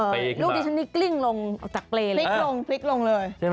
พลิกลงเลย